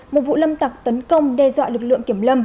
một vụ lâm tặc tấn công đe dọa lực lượng kiểm lâm